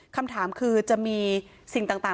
คำถามคือจะมีสิ่งต่าง